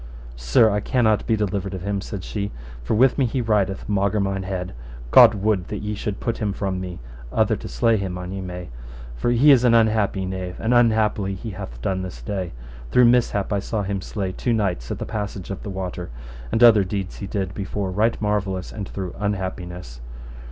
Sir, I cannot be delivered of him, said she, for with me he rideth maugre mine head: God would that ye should put him from me, other to slay him an ye may, for he is an unhappy knave, and unhappily he hath done this day: through mishap I saw him slay two knights at the passage of the water; and other deeds he did before right marvellous and through unhappiness.